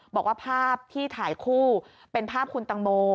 บอกว่าภาพที่ถ่ายคู่เป็นภาพคุณตังโม